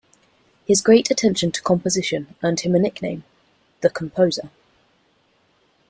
His great attention to composition earned him a nickname: "The Composer".